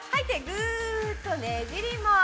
ぐっとねじります。